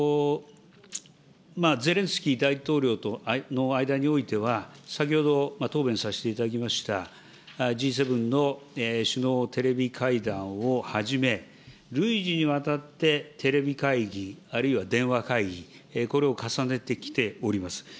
ゼレンスキー大統領との間においては、先ほど答弁させていただきました、Ｇ７の首脳テレビ会談をはじめ、累次にわたってテレビ会議、あるいは電話会議、これを重ねてきております。